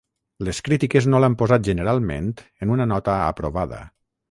Les crítiques no l'han posat generalment en una nota aprovada.